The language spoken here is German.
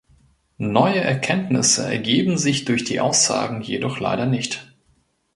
Neue Erkenntnisse ergeben sich durch die Aussagen jedoch leider nicht.